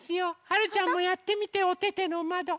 はるちゃんもやってみておててのまど。